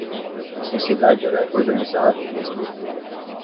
A sociedade era organizada e desenvolvida.